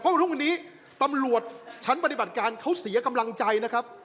เพราะทุกวันนี้ตำรวจชั้นปฏิบัติการเขาเสียกำลังใจนะครับ